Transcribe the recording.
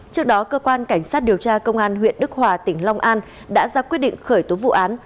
trước đó cơ quan cảnh sát điều tra công an huyện đức hòa tỉnh long an đã ra quyết định khởi tố vụ án